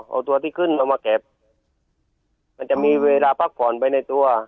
เอาตัวที่ขึ้นเอามาเก็บมันจะมีเวลาพักผ่อนไปในตัว